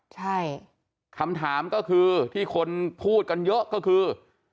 ใช่คำถามก็คือที่คนพูดกันเยอะก็คือ